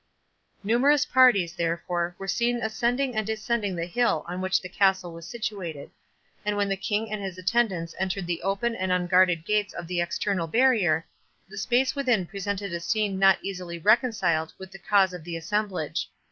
Numerous parties, therefore, were seen ascending and descending the hill on which the castle was situated; and when the King and his attendants entered the open and unguarded gates of the external barrier, the space within presented a scene not easily reconciled with the cause of the assemblage.